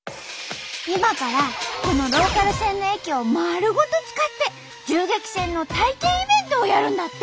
今からこのローカル線の駅をまるごと使って銃撃戦の体験イベントをやるんだって。